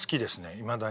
いまだに。